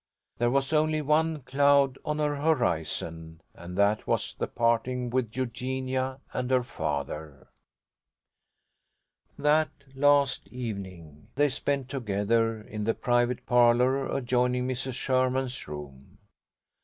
There was only one cloud on her horizon, and that was the parting with Eugenia and her father. That last evening they spent together in the private parlour adjoining Mrs. Sherman's room.